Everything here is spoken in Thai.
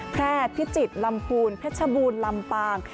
แพร่พิจิตรลำพูนเพชรบูรณ์ลำปาง